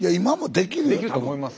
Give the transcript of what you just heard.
できると思います。